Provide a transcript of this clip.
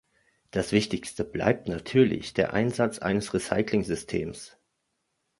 Das Wichtigste bleibt natürlich der Einsatz eines Recyclingsystems.